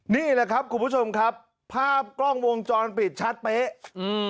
นี่แหละครับคุณผู้ชมครับภาพกล้องวงจรปิดชัดเป๊ะอืม